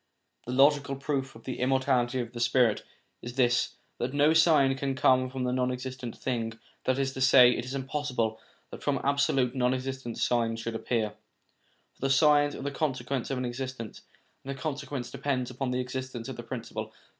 The logical proof of the immortality of the spirit is this, that no sign can come from a non existing thing ; that is to say, it is impossible that from absolute non existence signs should appear, for the signs are the consequence of an existence, and the consequence depends upon the existence of the principle.